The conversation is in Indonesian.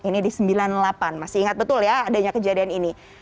ini di sembilan puluh delapan masih ingat betul ya adanya kejadian ini